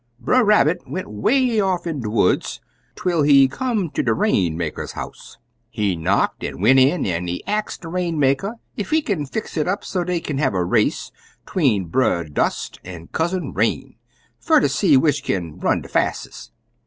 Brer Rabbit went 'way off in de woods twel he come ter de Rainmaker's house. He knocked an' went in, an' he ax de Rainmaker ef he can't fix it up so dey kin have a race 'tween Brer Dust an' Cousin Rain, fer ter see which kin run de fastes'.